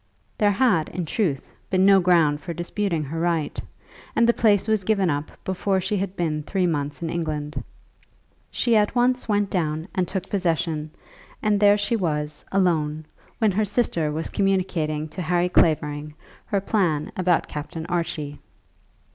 There had, in truth, been no ground for disputing her right, and the place was given up to her before she had been three months in England. She at once went down and took possession, and there she was, alone, when her sister was communicating to Harry Clavering her plan about Captain Archie.